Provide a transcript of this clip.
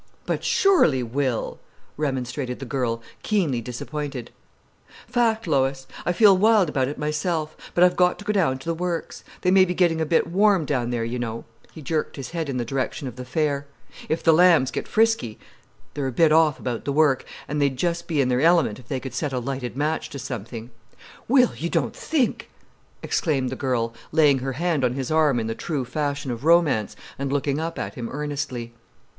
"But surely, Will!" remonstrated the girl, keenly disappointed. "Fact, Lois!—I feel wild about it myself. But I've got to go down to the works. They may be getting a bit warm down there, you know"—he jerked his head in the direction of the fair. "If the Lambs get frisky!—they're a bit off about the work, and they'd just be in their element if they could set a lighted match to something——" "Will, you don't think——!" exclaimed the girl, laying her hand on his arm in the true fashion of romance, and looking up at him earnestly.